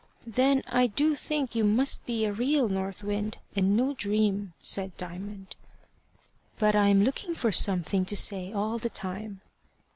"Then I do think you must be a real North Wind, and no dream," said Diamond. "But I'm looking for something to say all the time."